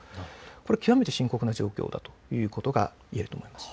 これは極めて深刻な状況だということがいえます。